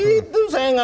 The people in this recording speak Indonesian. itu saya enggak